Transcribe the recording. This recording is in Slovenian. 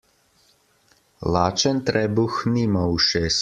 Lačen trebuh nima ušes.